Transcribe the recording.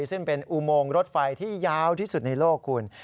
ซึ่งเป็นอุโมงรถไฟที่ยาวที่สุดในโลกคุณ